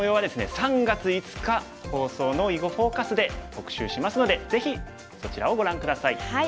３月５日放送の「囲碁フォーカス」で特集しますのでぜひそちらをご覧下さい。